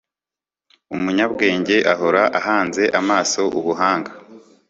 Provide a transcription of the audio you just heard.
umunyabwenge ahora ahanze amaso ubuhanga